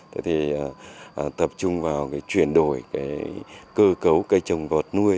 thì tập trung vào chuyển đổi cơ cấu cây trồng gọt nuôi